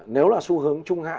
nếu là xu hướng trung hạn